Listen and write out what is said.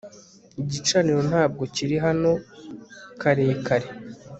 Igicaniro ntabwo kiri hano karekare